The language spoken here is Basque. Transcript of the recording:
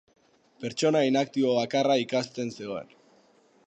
Pertsona inaktibo bakarra ikasten zegoen.